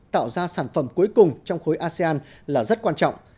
tạo ra sản phẩm cuối cùng trong khối asean là rất quan trọng